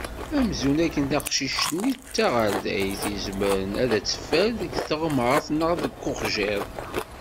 Amzun akken taqcic-nni d taɣerdayt izemren ad as-teffer deg teɣmert neɣ deg uxjiḍ.